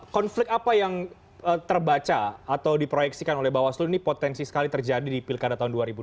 konflik apa yang terbaca atau diproyeksikan oleh bawaslu ini potensi sekali terjadi di pilkada tahun dua ribu dua puluh